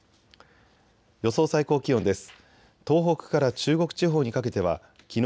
予想最高気温です。